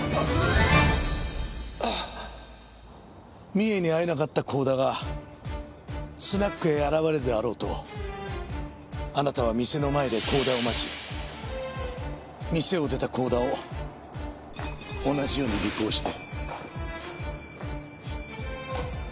美栄に会えなかった甲田がスナックへ現れるであろうとあなたは店の前で甲田を待ち店を出た甲田を同じように尾行して。